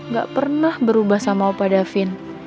gak pernah berubah sama opa davin